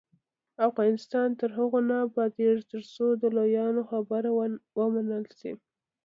افغانستان تر هغو نه ابادیږي، ترڅو د لویانو خبره ومنل شي.